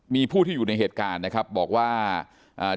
มีผู้ที่อยู่ในเหตุการณ์นะครับบอกว่าอ่า